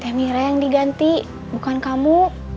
emira yang diganti bukan kamu